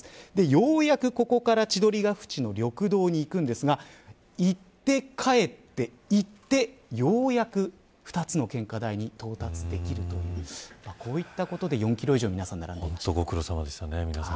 ようやく、ここから千鳥ヶ淵の緑道に行くんですが行って帰って行って、ようやく２つの献花台に到達できるとこういったことで４キロ以上、皆さん並んでいた。